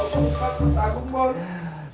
bapak bantuan aku bos